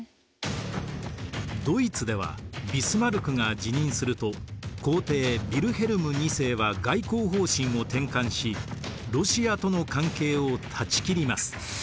ドイツではビスマルクが辞任すると皇帝ヴィルヘルム２世は外交方針を転換しロシアとの関係を断ち切ります。